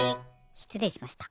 しつれいしました。